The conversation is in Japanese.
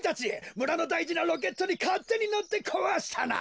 むらのだいじなロケットにかってにのってこわしたな！